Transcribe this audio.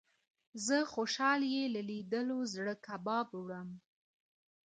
زه خوشال يې له ليدلو زړه کباب وړم